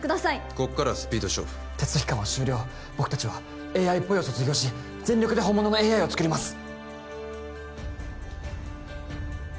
ここからはスピード勝負テスト期間は終了僕達は「ＡＩっぽい」を卒業し全力で本物のＡＩを作ります